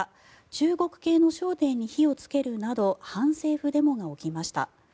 中国系の商店に火をつけるなど反政府デモが起きました。